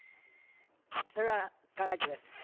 それは考えてください